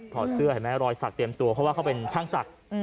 เสื้อเห็นไหมรอยสักเตรียมตัวเพราะว่าเขาเป็นช่างศักดิ์